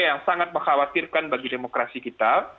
yang sangat mengkhawatirkan bagi demokrasi kita